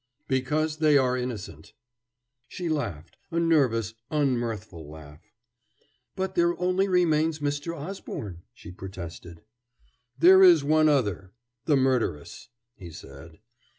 "Because they are innocent." She laughed, a nervous, unmirthful laugh. "But there only remains Mr. Osborne," she protested. "There is one other, the murderess," he said.